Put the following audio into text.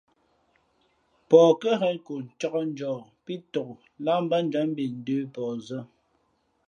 Pαh kάghen ko ncāk njαα pí tok láh batjǎm mbe ndə̌ pαh zᾱ.